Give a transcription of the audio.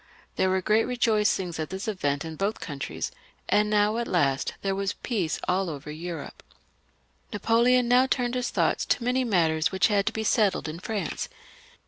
There were great rejoicings at this event in both countries ; and now, at last, there was peace all over Europe. Napoleon now turned his thoughts to many matters which had to be settled in France.